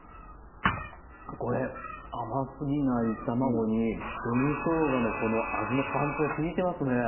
これ甘すぎない卵に紅しょうがのこの味のパンチがきいてますね。